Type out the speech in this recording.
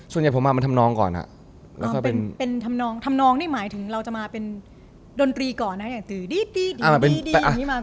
ส่วนใหญ่ผมมาเป็นทำนองก่อนเป็นทำนองทำนองนี่หมายถึงเราจะมาเป็นดนตรีก่อนนะ